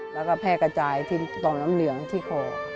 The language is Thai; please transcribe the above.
แล้วก็แพร่กระจายที่ต่อมน้ำเหลืองที่คอ